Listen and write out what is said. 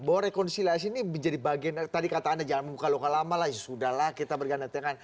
bahwa rekonsiliasi ini menjadi bagian dari tadi kata anda jangan membuka luka lama lah ya sudah lah kita berganda tangan